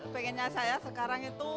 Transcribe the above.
pengennya saya sekarang itu